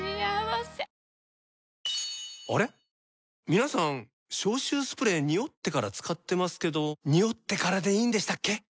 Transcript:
皆さん消臭スプレーニオってから使ってますけどニオってからでいいんでしたっけ？